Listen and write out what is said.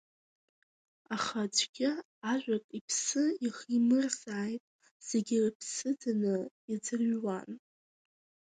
Аха аӡәгьы ажәак иԥсы иахимырзааит, зегьы рыԥсы ӡаны иӡырҩуан.